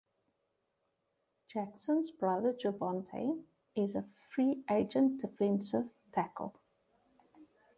Jackson's brother, Jervonte, is a free agent defensive tackle.